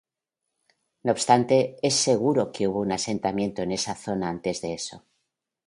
No obstante, es seguro que hubo un asentamiento en esta zona antes de eso.